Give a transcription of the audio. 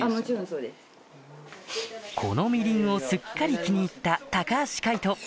このみりんをすっかり気に入った橋海人